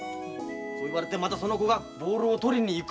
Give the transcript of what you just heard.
そう言われてまたその子がボールを取りに行く。